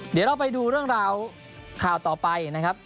เดี๋ยวเราไปดูเรื่องราวข่าวต่อไปนะครับ